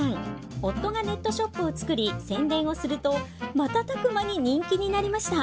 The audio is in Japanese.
夫がネットショップを作り宣伝をすると瞬く間に人気になりました。